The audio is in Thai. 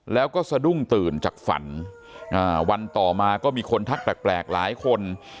แล้วก็สะดุ้งตื่นจากฝันวันต่อมาก็มีคนทักแปลกหลายคน